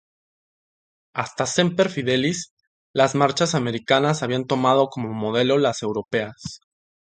Hasta "Semper Fidelis", las marchas americanas habían tomado como modelo las europeas.